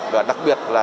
và đặc biệt là